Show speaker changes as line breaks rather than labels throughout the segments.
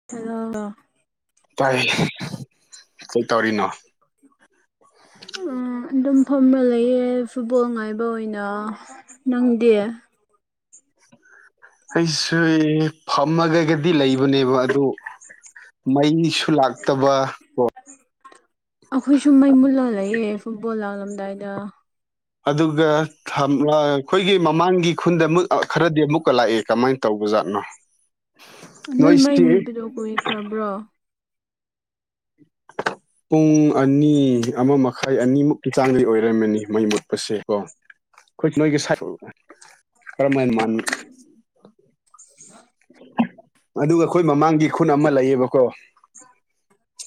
[inaudible]
ꯇꯥꯏ ꯀꯩ ꯇꯧꯔꯤꯅꯣ
ꯎꯝ ꯑꯗꯨꯝ ꯐꯝꯔ ꯂꯩꯌꯦ ꯐꯨꯠꯕꯣꯜ ꯉꯥꯏꯕ ꯑꯣꯏꯅ ꯅꯪꯗꯤ
ꯑꯩꯁꯨ ꯐꯝꯃꯒꯒꯗꯤ ꯂꯩꯕꯅꯦꯕ ꯑꯗꯨ ꯃꯩꯁꯨ ꯂꯥꯛꯇꯕ
ꯑꯩꯈꯣꯏ ꯁꯨ ꯃꯩ ꯃꯨꯠꯂꯒ ꯂꯩꯌꯦ ꯐꯨꯠꯕꯣꯜ ꯂꯥꯛꯂꯝꯗꯥꯏꯗ
ꯑꯗꯨꯒ ꯈꯝꯔ ꯑꯩꯈꯣꯏꯒꯤ ꯃꯃꯥꯡꯒꯤ ꯈꯨꯟꯗ ꯑꯃꯨꯛ ꯈꯔꯗꯤ ꯑꯃꯨꯛꯀ ꯂꯥꯛꯑꯦ ꯀꯃꯥꯏꯅ ꯇꯧꯕꯖꯥꯠꯅꯣ [inaudible]
ꯅꯣꯏ ꯃꯩ
ꯅꯣꯏꯁꯤ
ꯃꯨꯠꯄꯗꯣ ꯀꯨꯏꯈ꯭ꯔꯕ꯭ꯔꯣ
[inaudible] ꯄꯨꯡ ꯑꯅꯤ ꯑꯃ ꯃꯈꯥꯏ ꯑꯅꯤꯃꯨꯛꯀꯤ ꯆꯥꯡꯗꯤ ꯑꯣꯏꯔꯝꯃꯅꯤ ꯃꯩ ꯃꯨꯠꯄꯁꯦ ꯀꯣ ꯑꯩꯈꯣꯏ ꯅꯣꯏꯒꯤ ꯁꯥꯏꯠ ꯀꯔ ꯃꯥꯏ ꯃꯥꯟ
[inaudible]
ꯑꯗꯨꯒ ꯑꯩꯈꯣꯏ ꯃꯃꯥꯡꯒꯤ ꯈꯨꯟ ꯑꯃ ꯂꯩꯌꯦꯕꯀꯣ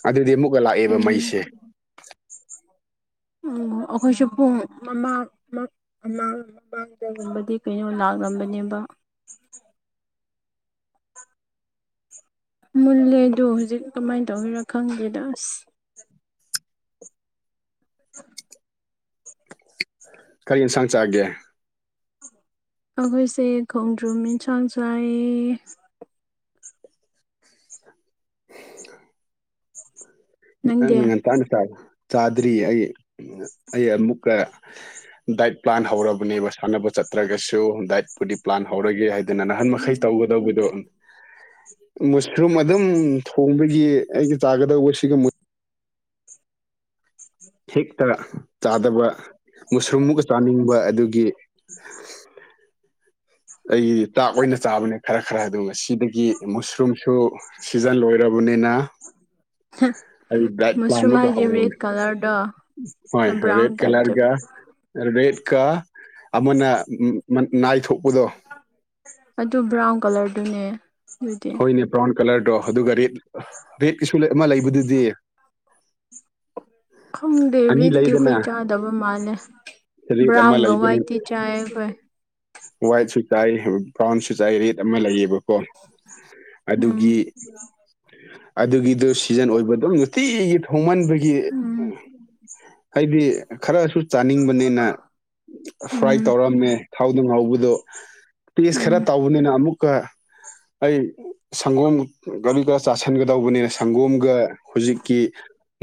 ꯑꯗꯨꯗꯤ ꯑꯃꯨꯛꯀ ꯂꯥꯛꯑꯦꯕ
ꯎꯝ
ꯃꯩꯁꯦ
ꯎꯝ ꯑꯩꯈꯣꯏꯁꯨ ꯄꯨꯡ ꯃꯃꯥꯡ ꯃꯛ ꯥꯑꯃꯥꯡ ꯃꯃꯥꯡꯗꯒꯨꯝꯕꯗꯤ ꯀꯩꯅꯣ ꯂꯥꯛꯂꯝꯕꯅꯦꯕ꯫ ꯃꯨꯜꯂꯦꯗꯨ ꯍꯧꯖꯤꯛ ꯀꯃꯥꯏꯟ ꯇꯧꯒꯤꯔꯥ ꯈꯪꯗꯦꯗ ꯑꯁ [unintelligible]
ꯀꯔꯤ ꯌꯦꯟꯁꯥꯡ ꯆꯥꯒꯦ
ꯑꯈꯣꯏꯁꯦ ꯈꯣꯡꯗ꯭ꯔꯨꯝ ꯏꯟꯁꯥꯡ ꯆꯥꯏꯌꯦ ꯅꯪꯗꯤ
ꯅꯪꯅ ꯉꯟꯇꯥꯅ ꯆꯥꯕ ꯆꯥꯗ꯭ꯔꯤꯌꯦ ꯑꯩ ꯑꯩ ꯑꯃꯨꯛꯀ ꯗꯥꯏꯠ ꯄ꯭ꯂꯥꯟ ꯍꯧꯔꯕꯅꯦꯕ ꯁꯥꯟꯅꯕ ꯆꯠꯇ꯭ꯔꯒꯁꯨ ꯗꯥꯏꯠꯄꯨꯗꯤ ꯄ꯭ꯂꯥꯟ ꯍꯧꯔꯒꯦ ꯍꯥꯏ ꯑꯗꯨꯅ ꯅꯍꯥꯟ ꯃꯈꯩ ꯇꯧꯒꯗꯧꯕꯗꯣ ꯃꯨꯁꯔꯨꯝ ꯑꯗꯨꯝ ꯊꯣꯡꯕꯒꯤ ꯑꯩꯒꯤ ꯆꯥꯒꯗꯧꯕ ꯁꯤꯒ ꯃꯨ ꯍꯦꯛꯇ ꯆꯥꯗꯕ ꯃꯨꯁꯔꯨꯝꯃꯨꯒ ꯆꯥꯅꯤꯡꯕ ꯑꯗꯨꯒꯤ ꯑꯩꯒꯤ ꯇꯥꯛ ꯑꯣꯏꯅ ꯆꯥꯕꯅꯦ ꯈꯔ ꯈꯔ ꯑꯗꯨ ꯉꯁꯤꯗꯒꯤ ꯃꯨꯁꯔꯨꯝꯁꯨ ꯁꯤꯖꯟ ꯂꯣꯏꯔꯕꯅꯤꯅ
ꯍꯥ
ꯑꯩ ꯗꯥꯏꯠ
ꯃꯨꯁꯔꯨꯝ
ꯄ꯭ꯂꯥꯟꯃꯨꯛꯀ
ꯍꯥꯏꯗꯤ
ꯍꯧꯔꯕꯅꯦ
ꯔꯦꯗ ꯀꯂꯔꯗꯣ
ꯍꯣꯏ
ꯕ꯭ꯔꯥꯎꯟ
ꯔꯦꯠ
ꯇꯥꯏꯞ ꯆꯠꯄ
ꯀꯂꯔꯒ ꯔꯦꯠꯀ ꯑꯃꯅ ꯃ ꯅꯥꯏꯊꯣꯛꯄꯗꯣ
ꯑꯗꯨ ꯕ꯭ꯔꯥꯎꯟ ꯀꯂꯔꯗꯨꯅꯦ ꯑꯗꯨꯗꯤ
ꯍꯣꯏꯅꯦ ꯕ꯭ꯔꯥꯎꯟ ꯀꯂꯔꯗꯣ ꯑꯗꯨꯒ ꯔꯦꯠ ꯔꯦꯠꯀꯤꯁꯨ ꯑꯃ ꯂꯩꯕꯗꯨꯗꯤ
ꯈꯪꯗꯦ
ꯑꯅꯤ
ꯔꯤꯠꯇꯤ
ꯂꯩꯗꯅ
ꯑꯩꯈꯣꯏ ꯆꯥꯗꯕ ꯃꯥꯜꯂꯦ
ꯔꯦꯠ ꯑꯃ
ꯕ꯭ꯔꯥꯎꯟꯒ
ꯂꯩꯕꯅꯤ
ꯋꯥꯏꯠꯇꯤ ꯆꯥꯏ ꯑꯩꯈꯣꯏ꯫
ꯋꯥꯏꯠꯁꯨ ꯆꯥꯏ ꯕ꯭ꯔꯥꯎꯟꯁꯨ ꯆꯥꯏ ꯔꯦꯗ ꯑꯃ ꯂꯩꯌꯦꯕꯀꯣ
ꯎꯝ
ꯑꯗꯨꯒꯤ ꯑꯗꯨꯒꯤꯗꯨ ꯁꯤꯖꯟ ꯑꯣꯏꯕꯗꯣ ꯅꯨꯡꯇꯤꯒꯤ ꯊꯣꯡꯃꯟꯕꯒꯤ ꯎꯝ ꯍꯥꯏꯗꯤ ꯈꯔꯁꯨ ꯆꯥꯅꯤꯡꯕꯅꯤꯅ ꯐ꯭ꯔꯥꯏ
ꯎꯝ
ꯇꯧꯔꯝꯃꯦ꯫ ꯊꯥꯎꯗꯣ ꯉꯧꯕꯗꯣ ꯇꯦꯁ
ꯎꯝ
ꯈꯔ ꯇꯧꯕꯅꯤꯅ ꯑꯃꯨꯛ ꯀ ꯑꯩ ꯁꯪꯒꯣꯝ ꯒꯔꯤ ꯀ ꯆꯥꯥꯁꯟꯒꯗꯧꯕꯅꯤꯅ ꯁꯪꯒꯣꯝꯒ ꯍꯨꯖꯤꯛꯀꯤ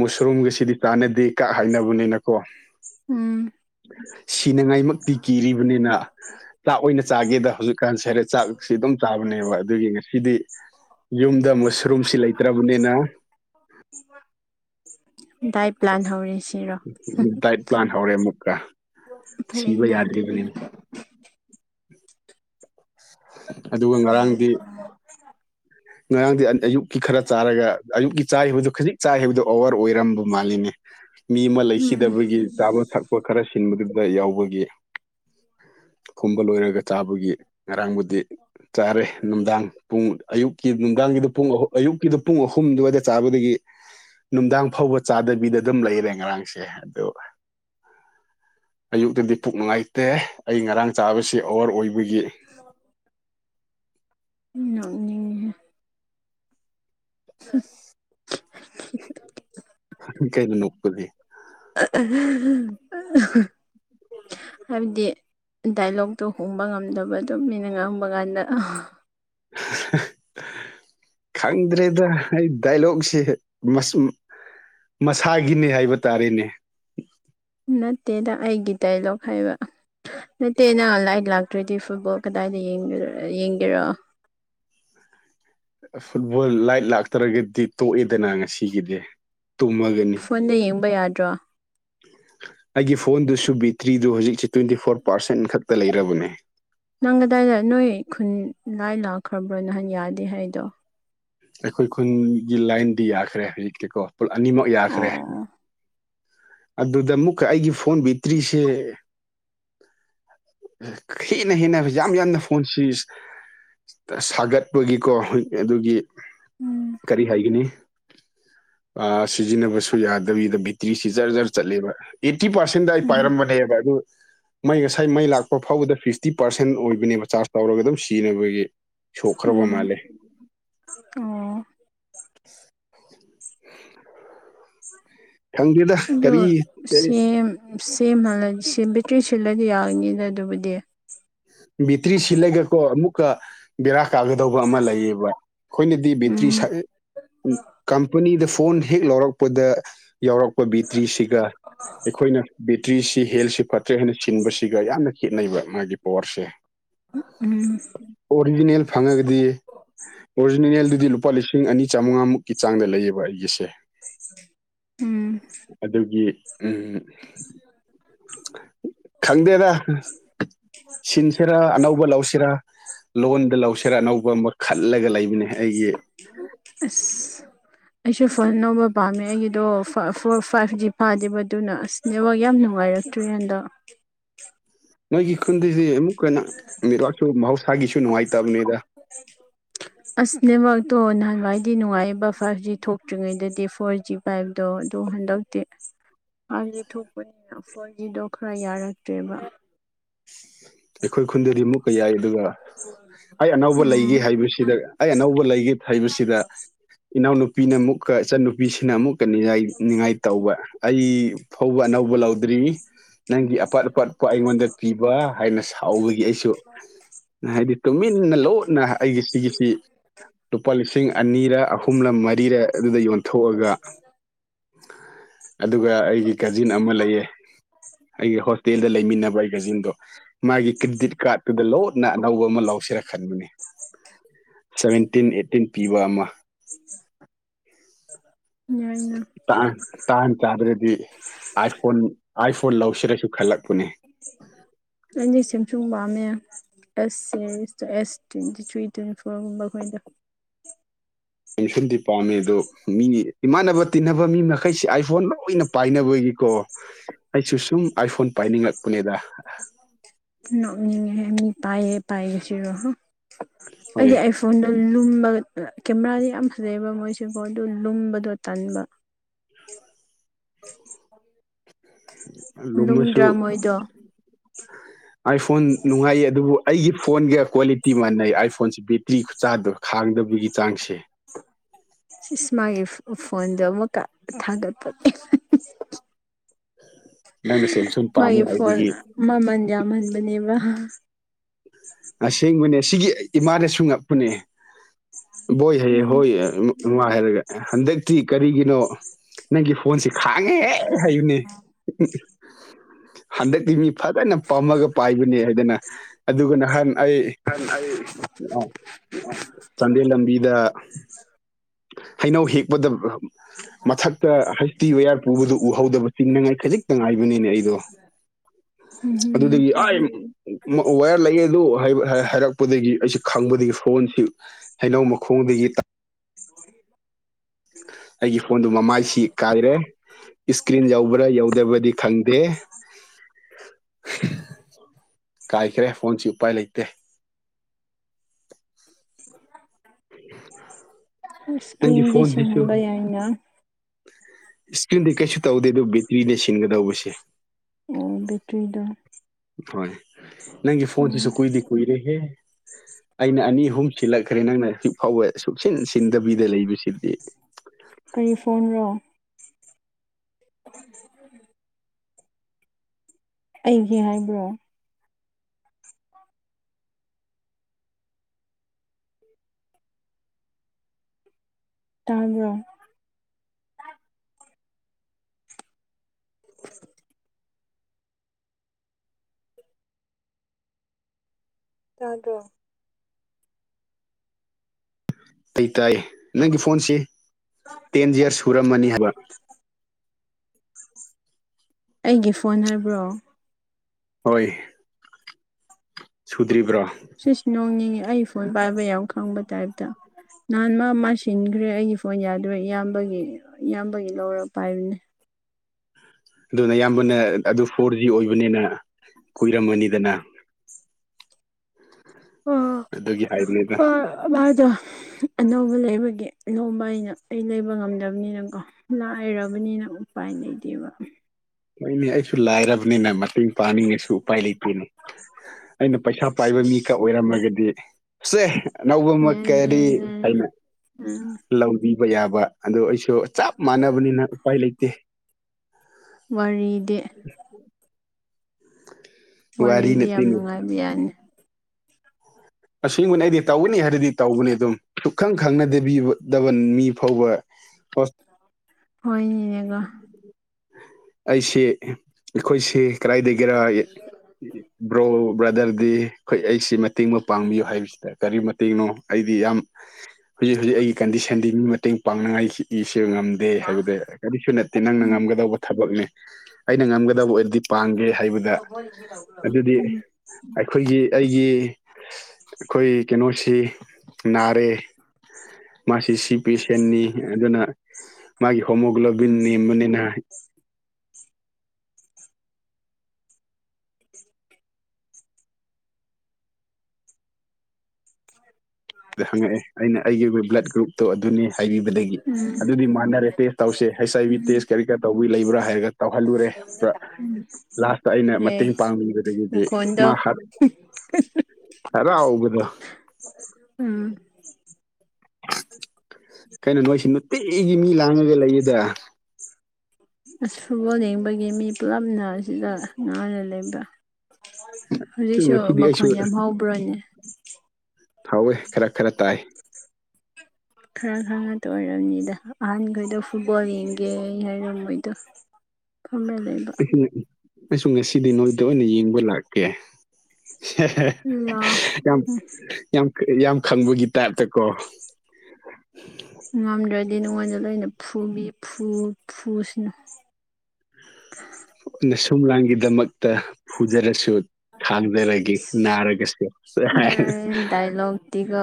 ꯃꯨꯁꯔꯨꯝꯒ ꯁꯤꯗꯤ ꯆꯥꯟꯅꯗꯦ ꯀ ꯍꯥꯏꯅꯕꯅꯤꯅꯀꯣ
ꯎꯝ
ꯁꯤꯅꯉꯥꯏꯃꯛꯇꯤ ꯀꯤꯔꯤꯕꯅꯤꯅ ꯆꯥꯛ ꯑꯣꯏꯅ ꯆꯥꯒꯦꯗ ꯍꯧꯖꯤꯛ ꯀꯥꯟ ꯁꯦꯔꯦ ꯆꯥꯛꯁꯤ ꯑꯗꯨꯝ ꯆꯥꯕꯅꯦꯕ ꯑꯗꯨꯒꯤ ꯉꯁꯤꯗꯤ ꯌꯨꯝꯗ ꯃꯁꯔꯨꯝꯁꯤ ꯂꯩꯇ꯭ꯔꯕꯅꯤꯅ
ꯗꯥꯏ ꯄ꯭ꯂꯥꯟ ꯍꯧꯔꯤ ꯁꯤꯔꯣ [unintelligible]
ꯗꯥꯏꯠ ꯄ꯭ꯂꯥꯟ ꯍꯧꯔꯦ ꯑꯃꯨꯛꯀ
ꯐꯩ
ꯁꯤꯕ
ꯑꯩꯅ ꯑꯗꯨꯗꯤ꯫
ꯌꯥꯗ꯭ꯔꯤꯕꯅꯤꯅ [unintelligible] ꯉꯔꯥꯡꯗꯤ
[unintelligible]
ꯉꯔꯥꯡꯗꯤ ꯑꯟ ꯑꯌꯨꯛꯀꯤ ꯈꯔ ꯆꯥꯔꯒ ꯑꯌꯨꯛꯀꯤ ꯆꯥꯏꯕꯗꯨꯣ ꯈꯖꯤꯛ ꯆꯥꯏ ꯍꯥꯏꯕꯗꯨꯣ ꯑꯋꯥꯔ ꯑꯣꯏꯔꯝꯕ ꯃꯥꯜꯂꯤꯅꯦ ꯃꯤ ꯑꯃ
ꯎꯝ
ꯂꯩꯈꯤꯗꯕꯒꯤ ꯆꯥꯕ ꯊꯛ ꯑꯩꯈꯣꯏ ꯈꯔ ꯁꯤꯟꯕꯗꯨꯗ ꯌꯥꯎꯕꯒꯤ꯫ ꯈꯨꯝꯕ ꯂꯣꯏꯔꯒ ꯆꯥꯕꯒꯤ ꯉꯔꯥꯡꯕꯨꯗꯤ ꯆꯥꯔꯦ ꯅꯨꯡꯗꯥꯡ ꯄꯨꯡ ꯑꯌꯨꯛꯀꯤ ꯅꯨꯡꯗꯥꯡꯒꯤꯗ ꯄꯨꯡ ꯑ ꯑꯌꯨꯛꯀꯤꯗ ꯄꯨꯡ ꯑꯍꯨꯝ ꯑꯗꯨꯋꯥꯏꯗ ꯆꯥꯕꯗꯒꯤ ꯅꯨꯡꯗꯥꯡ ꯐꯥꯎꯕ ꯆꯥꯗꯕꯤꯗ ꯑꯗꯨꯝ ꯂꯩꯔꯦ ꯉꯔꯥꯡꯁꯦ ꯑꯗꯣ ꯑꯌꯨꯛꯇꯗꯤ ꯄꯨꯛ ꯅꯨꯡꯉꯥꯏꯇꯦ ꯑꯩ ꯉꯔꯥꯡ ꯆꯥꯕꯁꯤ ꯑꯋꯥꯔ ꯑꯣꯏꯕꯒꯤ
ꯅꯣꯛꯅꯤꯡꯉꯦꯍꯦ
ꯀꯩꯩꯅ ꯅꯣꯛꯄꯗꯤ
[inaudible] ꯍꯥꯏꯕꯗꯤ ꯗꯥꯏꯂꯣꯛꯇꯣ ꯍꯣꯡꯕ ꯉꯝꯗꯕ ꯑꯗꯨꯝ ꯃꯤꯅ ꯉꯥꯡꯕ ꯀꯥꯟꯗ [unintelligible]
[inaudible] ꯈꯪꯗ꯭ꯔꯦꯗ ꯑꯩ ꯗꯥꯏꯂꯣꯛꯁꯦ ꯃꯁꯨꯝ ꯃꯁꯥꯒꯤꯅꯦ ꯍꯥꯏꯕ ꯇꯥꯔꯦꯅꯦ
ꯅꯠꯇꯦꯗ ꯑꯩꯒꯤ ꯗꯥꯏꯂꯣꯛ ꯍꯥꯏꯕ ꯅꯠꯇꯦꯅ ꯂꯥꯏꯠ ꯂꯥꯛꯇ꯭ꯔꯗꯤ ꯐꯨꯠꯕꯣꯜ ꯀꯗꯥꯏꯗ ꯌꯦꯡꯒꯦ ꯌꯦꯡꯒꯦꯔꯣ
ꯐꯨꯠꯕꯣꯜ ꯂꯥꯏꯠ ꯂꯥꯛꯇ꯭ꯔꯒꯗꯤ ꯇꯣꯛꯑꯦꯗꯅ ꯉꯁꯤꯒꯤꯗꯤ ꯇꯨꯝꯃꯒꯅꯤ
ꯐꯣꯟꯗ ꯌꯦꯡꯕ ꯌꯥꯗ꯭ꯔꯣ
ꯑꯩꯒꯤ ꯐꯣꯟꯗꯨꯁꯨ ꯕꯤꯇ꯭ꯔꯤꯗꯨ ꯍꯧꯖꯤꯛꯁꯦ ꯇ꯭ꯋꯦꯟꯇꯤ ꯐꯣꯔ ꯄꯥꯔꯁꯦꯟ ꯈꯛꯇ ꯂꯩꯔꯕꯅꯦ
ꯅꯪ ꯀꯗꯥꯏꯗ ꯅꯣꯏ ꯈꯨꯟ ꯂꯥꯏ ꯂꯥꯛꯈ꯭ꯔꯕ꯭ꯔꯣ ꯅꯍꯥꯟ ꯌꯥꯗꯦ ꯍꯥꯏꯗꯣ
ꯑꯩꯈꯣꯏ ꯈꯨꯟꯒꯤ ꯂꯥꯏꯟꯗꯤ ꯌꯥꯈ꯭ꯔꯦ ꯍꯧꯖꯤꯛꯇꯤꯀꯣ ꯄꯜ ꯑꯅꯤꯃꯛ ꯌꯥꯈ꯭ꯔꯦ
ꯑꯣ
ꯑꯗꯨꯗ ꯑꯃꯨꯛꯀ ꯑꯩꯒꯤ ꯐꯣꯟ ꯕꯤꯇ꯭ꯔꯤꯁꯦ ꯍꯦꯟꯅ ꯍꯦꯟꯅ ꯌꯥꯝ ꯌꯥꯝꯅ ꯐꯣꯟ ꯁꯤꯁ ꯁꯥꯒꯠꯄꯒꯤꯀꯣ ꯑꯗꯨꯒꯤ
ꯎꯝ
ꯀꯔꯤ ꯍꯥꯏꯒꯅꯤ ꯑꯥ ꯁꯤꯖꯤꯟꯅꯕꯁꯨ ꯌꯥꯗꯕꯤꯗ ꯕꯦꯇ꯭ꯔꯤꯁꯤ ꯖꯔ ꯖꯔ ꯆꯠꯂꯦꯕ ꯑꯦꯠꯇꯤ ꯄꯥꯔꯁꯦꯟꯗ ꯑꯩ
ꯎꯝ
ꯄꯥꯏꯔꯝꯕꯅꯦꯕ ꯑꯗꯨ ꯃꯩ ꯉꯁꯥꯏ ꯃꯩ ꯂꯥꯛꯄ ꯐꯥꯎꯕꯗ ꯐꯤꯐꯇꯤ ꯄꯥꯔꯁꯦꯟ ꯑꯣꯏꯕꯅꯦꯕ ꯆꯥꯔꯖ ꯇꯧꯔꯒ ꯑꯗꯨꯝ ꯁꯤꯟꯖꯤꯟꯅꯕꯒꯤ
ꯎꯝ ꯑꯣ
[inaudible] ꯈꯪꯗꯦꯗ
ꯑꯗꯣ
ꯀꯔꯤ
ꯁꯦꯝ
ꯀꯔꯤ
[unintelligible] ꯕꯦꯇ꯭ꯔꯤ ꯁꯤꯜꯂꯗꯤ ꯌꯥꯒꯅꯤꯗ ꯑꯗꯨꯕꯨꯗꯤ
ꯕꯤꯇ꯭ꯔꯤ ꯁꯤꯂꯦꯒꯀꯣ ꯑꯃꯨꯛꯀ ꯕꯦꯔꯥ ꯀꯥꯒꯗꯧꯕ ꯑꯃ ꯂꯩꯌꯦꯕ ꯑꯩꯈꯣꯏꯅꯗꯤ ꯕꯦꯇ꯭ꯔꯤ
ꯎꯝ
ꯁꯥ ꯀꯝꯄꯅꯤꯗ ꯐꯣꯟ ꯍꯦꯛ ꯂꯧꯔꯛꯄꯗ ꯌꯥꯎꯔꯛ ꯄ ꯕꯤꯇ꯭ꯔꯤꯁꯤꯒ ꯑꯩꯈꯣꯏꯅ ꯕꯦꯇ꯭ꯔꯤꯁꯤ ꯍꯦꯜꯁꯤ ꯐꯠꯇ꯭ꯔꯦ ꯍꯥꯏꯅ ꯁꯤꯟꯕꯁꯤꯒ ꯌꯥꯝꯅ ꯈꯦꯠꯅꯩꯕ ꯃꯥꯒꯤ ꯄꯋꯥꯔꯁꯦ
ꯎꯝ
ꯑꯣꯔꯤꯖꯤꯅꯦꯜ ꯐꯪꯉꯒꯗꯤ ꯑꯣꯔꯤꯖꯤꯅꯦꯜꯗꯨꯗꯤ ꯂꯨꯄꯥ ꯂꯤꯁꯤꯡ ꯑꯅꯤ ꯆꯥꯃꯉꯥꯃꯨꯛꯀꯤ ꯆꯥꯡꯗ ꯂꯩꯌꯦꯕ ꯑꯩꯒꯤꯁꯦ
ꯎꯝ
ꯑꯗꯨꯒꯤ ꯎꯝ
[inaudible]
ꯈꯪꯗꯦꯗ ꯁꯤꯟꯁꯤꯔꯥ ꯑꯅꯧꯕ ꯂꯧꯁꯤꯔꯥ ꯂꯣꯟꯗ ꯂꯧꯁꯤꯔꯥ ꯑꯅꯧꯕ ꯑꯃ ꯈꯜꯂꯒ ꯂꯩꯕꯅꯦ ꯑꯩꯒꯤ
ꯑꯁ ꯑꯩꯁꯨ ꯐꯣꯟ ꯑꯅꯧꯕ ꯄꯥꯝꯃꯦ ꯑꯩꯒꯤꯗꯣ ꯐ ꯐꯣꯔ ꯐꯥꯏꯚ ꯖꯤ ꯐꯥꯗꯦꯕ ꯑꯗꯨꯅ ꯑꯁ ꯅꯦꯋꯥ ꯌꯥꯝ ꯅꯨꯡꯉꯥꯏꯔꯛꯇ꯭ꯔꯦ ꯍꯟꯗꯛ
ꯅꯣꯏꯒꯤ ꯈꯨꯟꯗꯒꯤ ꯑꯃꯨꯛ ꯍꯦꯟꯅ ꯅꯦꯠꯋꯥꯛꯁꯨ ꯃꯍꯧꯁꯥꯒꯤꯁꯨ ꯅꯨꯡꯉꯥꯏꯇꯕꯅꯤꯗ
[inaudible] ꯑꯁ ꯅꯦꯋꯥꯛꯇꯣ ꯅꯍꯥꯟꯋꯥꯏꯗꯤ ꯅꯨꯡꯉꯥꯏꯌꯦꯕ ꯐꯥꯏꯚ ꯖꯤ ꯊꯣꯛꯇ꯭ꯔꯤꯉꯩꯗꯗꯤ ꯐꯣꯔ ꯖꯤ ꯄꯥꯏꯕꯇꯣ ꯑꯗꯨ ꯍꯟꯗꯛꯇꯤ ꯐꯥꯏꯚ ꯖꯤ ꯊꯣꯛꯄꯅꯤꯅ ꯐꯣꯔ ꯖꯤꯗꯣ ꯈꯔ ꯌꯥꯔꯛꯇ꯭ꯔꯦꯕ
ꯑꯩꯈꯣꯏ ꯈꯨꯟꯗꯗꯤ ꯑꯃꯨꯛꯀ ꯌꯥꯏ ꯑꯗꯨꯒ ꯑꯩ ꯑꯅꯧꯕ
ꯎꯝ
ꯂꯩꯒꯦ ꯍꯥꯏꯕꯁꯤꯗ ꯑꯩ ꯑꯅꯧꯕ ꯂꯩꯒꯦ ꯐꯩꯕꯁꯤꯗ ꯏꯅꯥꯎꯅꯨꯄꯤꯅ ꯑꯃꯨꯛꯀ ꯏꯆꯟꯅꯨꯄꯤꯁꯤꯅ ꯑꯃꯨꯛꯀ ꯅꯤꯉꯥꯏ ꯅꯤꯡꯉꯥꯏ ꯇꯧꯕ ꯑꯩ ꯐꯧꯕ ꯑꯅꯧꯕ ꯂꯧꯗ꯭ꯔꯤ ꯅꯪꯒꯤ ꯑꯄꯥꯠ ꯑꯄꯥꯠꯄ ꯑꯩꯉꯣꯟꯗ ꯄꯤꯕ ꯍꯥꯏꯅ ꯁꯥꯎꯕꯒꯤ ꯑꯩꯁꯨ ꯍꯥꯏꯗꯤ ꯇꯨꯃꯤꯟꯅ ꯂꫭꯠꯅ ꯑꯩꯒꯤ ꯁꯤꯒꯤꯁꯤ ꯂꯨꯄꯥ ꯂꯤꯁꯤꯡ ꯑꯅꯤꯔ ꯑꯍꯨꯝꯂ ꯃꯔꯤꯔ ꯑꯗꯨꯗ ꯌꯣꯟꯊꯣꯛꯑꯒ ꯑꯗꯨꯒ ꯑꯩꯒꯤ ꯀꯥꯖꯤꯟ ꯑꯃ ꯂꯩꯌꯦ ꯑꯩꯒꯤ ꯍꯣꯁꯇꯦꯜꯗ ꯂꯩꯃꯤꯟꯅꯕ ꯑꯩ ꯀꯖꯤꯟꯗꯣ ꯃꯥꯒꯤ ꯀ꯭ꯔꯦꯗꯤꯠ ꯀꯥꯔꯗꯠꯇꯨꯗ ꯂꯣꯠꯅ ꯑꯅꯧꯕ ꯑꯃ ꯂꯧꯁꯤꯔ ꯈꯟꯕꯅꯦ ꯁꯚꯦꯟꯇꯤꯟ ꯑꯦꯠꯇꯤꯟ ꯄꯤꯕ ꯑꯃ
ꯌꯥꯏꯅ
ꯇ ꯇꯥꯟ ꯆꯥꯗ꯭ꯔꯗꯤ ꯑꯥꯏ ꯐꯣꯟ ꯑꯥꯏꯐꯣꯟ ꯂꯧꯁꯤꯔꯁꯨ ꯈꯜꯂꯛꯄꯅꯦ
ꯑꯩꯗꯤ ꯁꯦꯝ ꯁꯨꯡ ꯄꯥꯝꯃꯦ ꯑꯦꯁꯦꯇ ꯁꯦꯔꯤꯁꯇꫭꯑꯦꯁ ꯇ꯭ꯋꯦꯟꯇꯤ ꯊ꯭ꯔꯤ ꯇ꯭ꯋꯦꯟꯇꯤ ꯐꯣꯔꯒꯨꯝꯕ ꯃꯈꯣꯏꯗꯣ
ꯄꯦꯟꯁꯟ ꯗꯤꯄꯥꯔꯃꯦꯟꯗꯣ ꯃꯤ ꯏꯃꯥꯟꯅꯕ ꯇꯤꯟꯅꯕ ꯃꯤ ꯃꯈꯩꯁꯤ ꯑꯥꯏꯐꯣꯟ ꯂꯣꯏꯅ ꯄꯥꯏꯅꯕꯒꯤꯀꯣ ꯑꯩꯁꯨ ꯁꯨꯝ ꯑꯥꯏꯐꯣꯟ ꯄꯥꯏꯅꯤꯡꯂꯛꯄꯅꯦꯗ
ꯅꯣꯛꯅꯤꯡꯉꯦ ꯃꯤ ꯄꯥꯏꯌꯦ ꯄꯥꯏꯔꯁꯨ
ꯍꯣꯏ
ꯑꯩꯗꯤ ꯑꯩ ꯐꯣꯟꯗꯨ ꯂꯨꯝꯕ ꯀꯦꯃꯦꯔꯥꯗꯤ ꯌꯥꯝ ꯐꯖꯩꯑꯕ ꯃꯣꯏꯁꯤ ꯐꯣꯟꯗꯨ ꯂꯨꯝꯕꯗꯣ ꯇꯟꯕ
ꯂꯨꯝꯃꯁꯨ
ꯂꯨꯝꯗ꯭ꯔ ꯃꯣꯏꯗꫭ
ꯑꯥꯏ ꯐꯣꯟ ꯅꯨꯡꯉꯥꯏꯌꯦ ꯑꯗꯨꯕꯨ ꯑꯩꯒꯤ ꯐꯣꯟꯒ ꯀ꯭ꯋꯥꯂꯤ ꯇꯤ ꯃꯥꯟꯅꯩ ꯑꯥꯏꯐꯣꯟꯁꯦ ꯕꯦꯇ꯭ꯔꯤ ꯈꯨꯠꯆꯥꯗꯣ ꯈꯥꯡꯗꯕꯒꯤ ꯆꯥꯡꯁꯦ
ꯏꯁ ꯏꯁ ꯃꯥꯒꯤ ꯐꯣꯟꯗꯣ ꯑꯃꯨꯛꯀ ꯊꯥꯒꯠꯄ
ꯅꯪꯅ ꯁꯦꯝꯁꯨꯡ ꯄꯥꯝꯃꯤ
ꯃꯥꯒꯤ ꯐꯣꯟ
ꯍꯥꯏꯕꯒꯤ
ꯃꯃꯜ ꯌꯥꯝꯍꯟꯕꯅꯦꯕ
ꯑꯁꯦꯡꯕꯅꯦ ꯁꯤꯒꯤ ꯏꯃꯥꯗꯁꯨ ꯉꯛꯄꯅꯦ ꯕꯣꯏ ꯍꯌꯦ
ꯎꯝ
ꯍꯣꯏ ꯑꯗꯨꯃꯥꯏ ꯍꯥꯏꯔꯒ ꯍꯟꯗꯛꯇꯤ ꯀꯔꯤꯒꯤꯅꯣ ꯅꯪꯒꯤ ꯐꯣꯟꯁꯤ ꯈꯥꯡꯉꯦꯍꯦ ꯍꯥꯏꯕꯅꯦ ꯍꯟꯗꯛꯇꯤ ꯃꯤ ꯐꯖꯅ ꯄꯝꯃꯒ ꯄꯥꯏꯕꯅꯦ ꯍꯥꯏꯗꯅ ꯑꯍꯟ ꯑꯩ ꯆꯥꯟꯗꯦꯜ ꯂꯝꯕꯤꯗ ꯍꯩꯅꯧ ꯍꯦꯛꯄꯗ ꯃꯊꯛꯇ ꯍꯩꯁꯇꯤ ꯋꯌꯥꯔ ꯄꯨꯕꯗꯨ ꯎꯍꯧꯗꯕ ꯆꯤꯡꯅꯉꯥꯏ ꯈꯖꯤꯛꯇ ꯉꯥꯏꯕꯅꯤꯅꯦ ꯑꯩꯗꯣ ꯑꯗꯨꯗꯒꯤ
ꯎꯝ
ꯑ ꯋꯌꯥꯔ ꯂꯩꯌꯦ ꯑꯗꯨ ꯍꯥꯏꯔꯛꯄꯗꯒꯤ ꯑꯩꯁꯤ ꯈꯪꯕꯗꯒꯤ ꯐꯣꯟꯁꯤ ꯍꯩꯅꯧ ꯃꯈꯣꯡꯗꯒꯤ ꯑꯩꯒꯤ ꯐꯣꯟꯗꯨ ꯃꯃꯥꯏꯁꯤ ꯀꯥꯏꯔꯦ ꯏꯁꯀ꯭ꯔꯤꯟ ꯌꯧꯕ꯭ꯔꯥ ꯌꯧꯗꯕꯗꯤ ꯈꯪꯗꯦ ꯀꯥꯏꯈ꯭ꯔꯦ ꯐꯣꯟꯁꯤ ꯎꯄꯥꯏ ꯂꯩꯇꯦ ꯅꯪꯒꯤ
ꯏꯁꯀ꯭ꯔꯤꯟꯗꯤ
ꯐꯣꯟꯁꯤꯁꯨ
ꯁꯤꯟꯍꯟꯕ ꯌꯥꯏꯅ
ꯏꯁꯀ꯭ꯔꯤꯟꯗꯤ ꯀꯩꯁꯨ ꯇꯧꯗꯦ ꯑꯗꯨ ꯕꯦꯇ꯭ꯔꯤꯅꯦ ꯁꯤꯟꯒꯗꯧꯕꯁꯦ
ꯑꯣ ꯕꯤꯇ꯭ꯔꯤꯗꫭ
ꯍꯣꯏ ꯅꯪꯒꯤ ꯐꯣꯟ ꯗꯨꯁꯨ
ꯎꯝ
ꯀꯨꯏꯗꯤ ꯀꯨꯏꯔꯦ ꯍꯦ ꯑꯩꯅ ꯑꯅꯤ ꯑꯍꯨꯝ ꯁꯤꯜꯂꯛꯈ꯭ꯔꯦ ꯅꯪꯅ ꯍꯧꯖꯤꯛ ꯐꯥꯎꯕ ꯁꯨꯛꯆꯟ ꯁꯤꯟꯗꯕꯤꯗ ꯂꯩꯕꯁꯤꯗꯤ
ꯀꯔꯤ ꯐꯣꯟꯔꯣ [inaudible] ꯑꯩꯒꯤ ꯍꯥꯏꯕ꯭ꯔꯣ ꯇꯥꯕ꯭ꯔꯣ ꯇꯗ꯭ꯔꯣ
ꯑꯩ ꯇꯥꯏ ꯅꯪꯒꯤ ꯐꯣꯟꯁꯤ ꯇꯦꯟ ꯏꯌꯥꯔꯁ ꯁꯨꯔꯝꯃꯅꯤ ꯍꯥꯏꯕ
ꯑꯩꯒꯤ ꯐꯣꯟ ꯍꯥꯏꯕ꯭ꯔꯣ
ꯍꯣꯏ ꯁꯨꯗ꯭ꯔꯤꯕ꯭ꯔꯣ
ꯏꯁ ꯅꯣꯡꯅꯤꯡꯉꯦ ꯑꯩ ꯐꯣꯟ ꯄꯥꯏꯕ ꯌꯥꯝ ꯈꯪꯕꯩ ꯇꯥꯏꯞꯇ ꯅꯍꯥꯟ ꯃꯥ ꯃꯥ ꯁꯤꯟꯒ꯭ꯔꯦ ꯑꯩꯒꯤ ꯐꯣꯟ ꯌꯥꯗ꯭ꯔꯦ ꯏꯌꯥꯝꯕꯒꯤ ꯏꯌꯥꯝꯕꯒꯤ ꯂꯧꯔꯒ ꯄꯥꯏꯕꯅꯦ
ꯑꯗꯨꯅꯌꯥꯝꯕꯅ ꯑꯗꯨ ꯐꯣꯔ ꯖꯤ ꯑꯣꯏꯕꯅꯤꯅ ꯀꯨꯏꯔꯝꯃꯅꯤꯗꯅ ꯑꯗꯨꯒꯤ ꯍꯥꯏꯕꯅꯤꯗ
[unintelligible] ꯑꯅꯧꯕ ꯂꯩꯕꯒꯤ ꯂꯧꯕ ꯑꯩꯅ ꯑꯩ ꯂꯩꯕ ꯉꯝꯗꯝꯅꯤꯅꯀꯣ ꯂꯥꯏꯔꯕꯅꯤꯅ ꯎꯄꯥꯏ ꯂꯩꯇꯦꯕ
ꯍꯣꯏꯅꯦ ꯑꯩꯁꯨ ꯂꯥꯏꯔꯕꯅꯤꯅ ꯃꯇꯦꯡ ꯄꯥꯅꯤꯡꯉꯁꯨ ꯎꯄꯥꯏ ꯂꯩꯇꯦꯅꯦ ꯑꯩꯅ ꯄꯩꯁꯥ ꯄꯥꯏꯕ ꯃꯤꯀ ꯑꯣꯏꯔꯝꯃꯒꯗꯤ ꯁꯦ ꯑꯅꯧꯕꯃ
ꯌꯥꯔꯦ
ꯀꯔꯤ
ꯌꯥꯔꯦ
ꯍꯥꯏꯅ
ꯎꯝ
ꯂꯧꯕꯤꯕ ꯌꯥꯕ ꯑꯗꯣ ꯑꯩꯁꯨ ꯆꯞ ꯃꯥꯟꯅꯕꯅꯤꯅ ꯎꯄꯥꯏ ꯂꯩꯇꯦ
ꯋꯥꯔꯤꯗꯤ
[inaudible] ꯋꯥꯔꯤ
ꯋꯥꯔꯤꯗꯤ ꯌꯥꯝ
ꯅꯠꯇꯦꯅꯦ
ꯅꯨꯡꯉꯥꯏꯕ ꯌꯥꯏꯅꯦ
ꯑꯁꯦꯡꯅꯦ ꯑꯩꯗꯤ ꯇꯧꯒꯅꯤ ꯍꯥꯏꯔꯗꯤ ꯇꯧꯕꯅꯤ ꯑꯗꯨꯝ ꯁꯨꯈꯪ ꯈꯪꯅꯗꯕꯤ ꯗꯕ ꯃꯤ ꯐꯥꯎꯕ ꯍꯣꯁ
ꯍꯣꯏꯅꯦꯅꯦꯒ
ꯑꯩꯁꯦ ꯑꯩꯈꯣꯏꯁꯦ ꯀꯗꯥꯏꯗꯒꯤꯔ ꯕ꯭ꯔꯣ ꯕ꯭ꯔꯥꯗꯔꯗꯤ ꯑꯩꯈꯣꯏ ꯑꯩꯁꯤ ꯃꯇꯦꯡ ꯄꯥꯡꯕꯤꯌꯨ ꯍꯥꯏꯕꯁꯤꯗ ꯀꯔꯤ ꯃꯇꯦꯡꯅꯣ ꯑꯩꯗꯤ ꯌꯥꯝ ꯍꯧꯖꯤ ꯍꯧꯖꯤ ꯑꯩꯒꯤ ꯀꯟꯗꯤꯁꯟꯗꯤ ꯃꯤ ꯃꯇꯦꯡ ꯄꯥꯡꯅꯤꯡꯉꯥꯏ [unintelligible] ꯉꯝ ꯗꯦ ꯍꯥꯏꯕꯗꯤ ꯀꯔꯤꯁꯨ ꯅꯠꯇꯦ ꯅꯪꯅ
ꯎꯝ
ꯉꯝꯒꯗꯧꯕ ꯊꯕꯛꯅꯦ ꯑꯩꯅ ꯉꯝꯒꯗꯕ ꯑꯣꯏꯔꯗꯤ ꯄꯥꯡꯒꯦ ꯍꯥꯏꯕꯗ ꯑꯗꯨꯗꯤ
ꯎꯝ
ꯑꯩꯈꯣꯏꯒꯤ ꯑꯩꯒꯤ ꯑꯩꯈꯣꯏ ꯀꯩꯅꯣꯁꯤ ꯅꯥꯔꯦ ꯃꯥꯁꯤ ꯁꯤ ꯄꯦꯁꯦꯟꯅꯤ ꯑꯗꯨꯅ ꯃꯥꯒꯤ ꯍꯣꯃꯣꯒ꯭ꯂꯣꯕꯤꯟ
ꯎꯝ
ꯅꯦꯝꯕꯅꯤꯅ ꯍꯪꯉꯛꯑꯦ ꯑꯩꯅ ꯑꯩꯒꯤ ꯑꯣꯏ ꯕ꯭ꯂꯗ ꯒ꯭ꯔꯨꯞꯇꯣ ꯑꯗꯨꯅꯤ ꯍꯥꯏꯕꯤꯕꯗꯒꯤ
ꯎꯝ
ꯑꯗꯨꯗꯤ ꯃꯥꯟꯅꯔꯦ ꯇꯦꯁ ꯇꯧꯁꯦ H I V
um
test ꯀꯔꯤ ꯀꯥ ꯇꯧꯕꯤ ꯂꯩꯕ꯭ꯔꯥ ꯍꯥꯏꯔꯒ ꯇꯧꯍꯜꯂꯨꯔꯦ ꯇ ꯂꯥꯁꯇ ꯑꯩꯅ
ꯑꯦ
ꯃꯇꯦꯡ ꯄꯥꯡꯕꯤꯕꯗꯒꯤꯗꯤ ꯃꯥ
ꯅꯈꯣꯟꯗꯣ
ꯍꯥ ꯍꯔꯥꯎꯕꯗꯣ
ꯎꯝ
ꯀꯩꯅꯣ ꯅꯣꯏꯁꯤ ꯅꯨꯇꯤꯒꯤ ꯃꯤ ꯂꯥꯡꯉꯒ ꯂꯩꯌꯦꯗ
ꯑꯁ ꯐꯨꯠꯕꯣꯜ ꯌꯦꯡꯕꯒꯤ ꯃꯤ ꯄꯨꯜꯂꯞꯅ ꯑꯁꯤꯗ ꯉꯥꯏꯅ ꯂꯩꯕꯗ ꯍꯧꯖꯤꯛꯁꯨ
ꯉꯁꯤꯗꯤ ꯑꯩꯁꯨ
ꯃꯈꯣꯟ ꯌꯥꯝ ꯍꯧꯕ꯭ꯔꯣꯅꯦ
ꯍꯥꯎꯋꯦ ꯈꯔ ꯈꯔ ꯇꯥꯏ
ꯈꯔ ꯈꯔ ꯉꯛꯇ ꯑꯣꯏꯔꯝꯅꯤꯗ ꯑꯍꯟꯈꯣꯏꯗꯣ ꯐꯨꯠꯕꯣꯜ ꯌꯦꯡꯒꯦ ꯍꯥꯏꯔꯝꯕꯣꯏꯗꯣ
[unintelligible] ꯑꯩꯁꯨ ꯉꯁꯤꯗꯤ ꯅꯣꯏꯗ ꯑꯣꯏꯅ ꯌꯦꯡꯕ ꯂꯥꯛꯀꯦ
ꯎꯝ ꯂꯥꯎ
ꯌꯥꯝ ꯌꯥꯝ ꯌꯥꯝ ꯈꯪꯕꯒꯤ ꯇꯥꯏꯞꯇꯀꯣ
ꯉꯝꯗ꯭ꯔꯗꯤ ꯅꯉꯣꯟꯗ ꯂꯣꯏꯅ ꯐꯨꯕꯤ ꯐꯨ ꯐꯨꯁꯅꯨ
ꯅꯁꯨꯝꯂꯥꯡꯒꯤꯗꯃꯛꯇ ꯐꯨꯖꯔꯁꯨ ꯈꯥꯡꯖꯔꯒꯦ ꯅꯥꯔꯒꯁꯨ
ꯇꯤꯀꯣ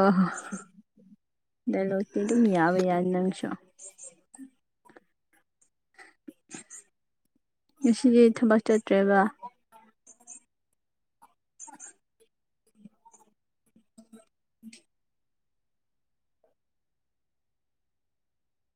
ꯗꯥꯏꯂꯣꯒꯇꯤ ꯑꯗꯨꯝ ꯌꯥꯕ ꯌꯥꯅꯤ ꯅꯪꯁꯨ ꯉꯁꯤꯗꯤ ꯊꯕꯛ ꯆꯠꯇ꯭ꯔꯦꯕ